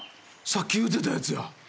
さっき言うてたやつや！